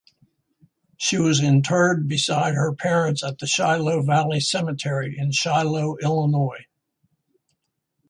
She was interred beside her parents at the Shiloh Valley Cemetery in Shiloh, Illinois.